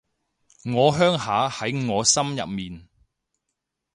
我鄉下喺我心入面